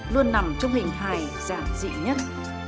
luôn nằm trong hình hài giảng dị nhất